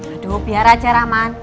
aduh biar aja raman